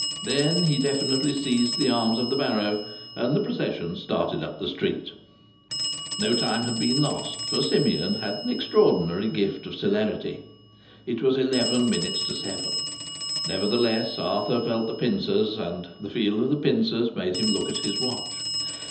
Then he definitely seized the arms of the barrow, and the procession started up the street. No time had been lost, for Simeon had an extraordinary gift of celerity. It was eleven minutes to seven. Nevertheless, Arthur felt the pincers, and the feel of the pincers made him look at his watch.